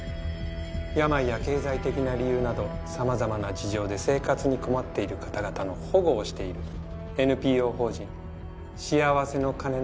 病や経済的な理由など様々な事情で生活に困っている方々の保護をしているＮＰＯ法人「しあわせの鐘の家」を主宰しております。